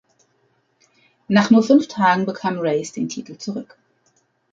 Nach nur fünf Tagen bekam Race den Titel zurück.